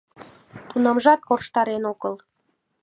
Тунамжат корштарен огыл.